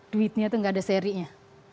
duitnya itu gak ada serinya